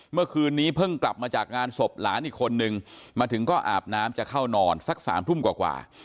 เมื่อคืนนี้เพิ่งกลับมาจากงานศพหลานอีกคนนึงมาถึงก็อาบน้ำจะเข้านอนสัก๓ทุ่มกว่า